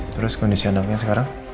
terus kondisi anaknya sekarang